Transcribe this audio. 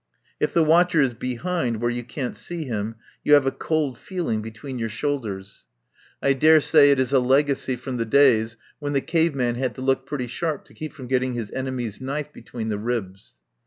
If the watcher is behind where you can't see him you have a cold feeling between your shoulders. 102 THE TRAIL OF THE SUPER BUTLER I daresay it is a legacy from the days when the cave man had to look pretty sharp to keep from getting his enemy's knife between the ribs.